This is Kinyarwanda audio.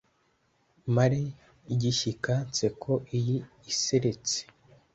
mare igishyika nseko iyi iseretse.